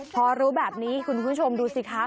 พอรู้แบบนี้คุณผู้ชมดูสิคะ